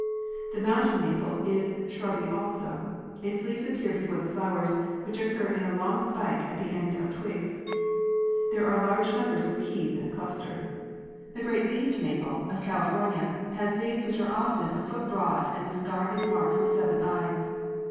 The mountain maple is shrubby also. Its leaves appear before the flowers, which occur in a long spike at the ends of the twigs. There are large numbers of keys in a cluster (Fig. 9). 104 The great leaved maple, of California, has leaves which are often a foot broad and the scar is marked with seven eyes.